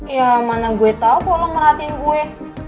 ya mana gue tau kok lo ngeratiin gue